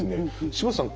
柴田さん